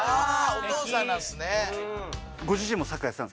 お父さんなんですね。